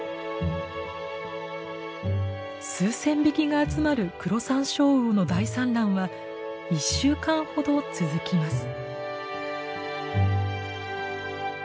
数千匹が集まるクロサンショウウオの大産卵は１週間ほど続きます。